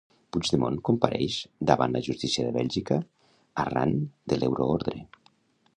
Puigdemont compareix davant la justícia de Bèlgica arran de l'euroordre.